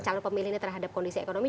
calon pemilih ini terhadap kondisi ekonomi